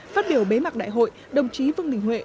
phát biểu bế mạc đại hội đồng chí vương đình huệ